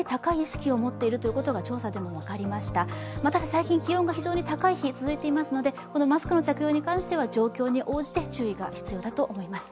最近気温が非常に高い日が続いていますのでこのマスクの着用に関しては状況に応じて注意が必要だと思います。